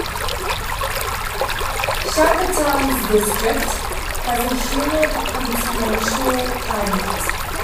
Shakotan District has a humid continental climate.